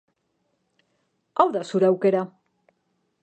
Hau da zure aukera!